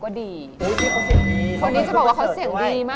โอ้โธ่เฮ้ย